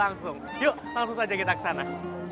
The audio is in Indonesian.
langsung yuk langsung saja kita ke sana